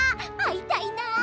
あいたいな。